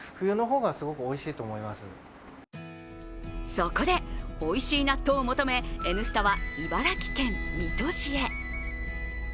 そこで、おいしい納豆を求め、「Ｎスタ」は茨城県水戸市へ。